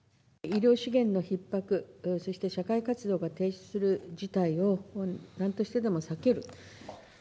医療資源のひっ迫、そして社会活動が停止する事態をなんとしてでも避ける。